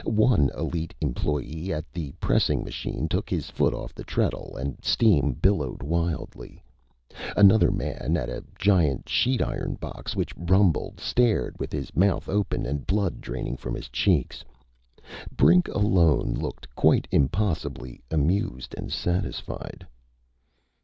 One Elite employee, at the pressing machine, took his foot off the treadle and steam billowed wildly. Another man, at a giant sheet iron box which rumbled, stared with his mouth open and blood draining from his cheeks. Brink, alone, looked quite impossibly amused and satisfied.